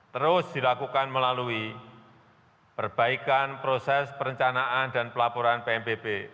terus dilakukan melalui perbaikan proses perencanaan dan pelaporan pnbp